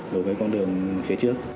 đối với con đường phía trước